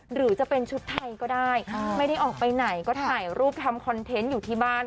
หรือจะเป็นชุดไทยก็ได้ไม่ได้ออกไปไหนก็ถ่ายรูปทำคอนเทนต์อยู่ที่บ้าน